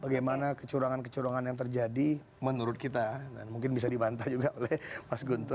bagaimana kecurangan kecurangan yang terjadi menurut kita dan mungkin bisa dibantah juga oleh mas guntur